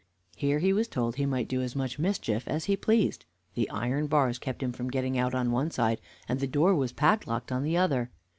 Here he was told he might do as much mischief as he pleased. The iron bars kept him from getting out on one side, and the door was padlocked on the other.